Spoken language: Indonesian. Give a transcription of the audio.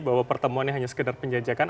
bahwa pertemuan ini hanya sekedar penjajakan